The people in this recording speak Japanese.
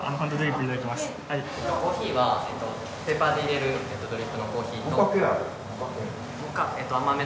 コーヒーはペーパーでいれるドリップのコーヒーと・モカってある？